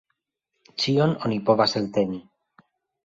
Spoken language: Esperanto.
Ĉion oni povas elteni.